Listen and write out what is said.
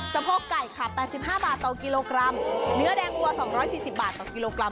สะโพกไก่ค่ะแปดสิบห้าบาทต่อกิโลกรัมเนื้อแดงวัวสองร้อยสี่สิบบาทต่อกิโลกรัม